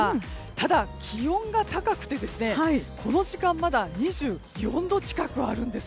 ただ、気温が高くてこの時間まだ２４度近くあるんです。